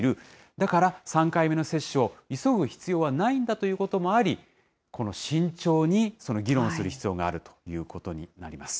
だから３回目の接種を急ぐ必要はないんだということもあり、慎重に議論する必要があるということになります。